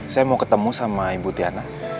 saya mau ketemu sama ibu tiana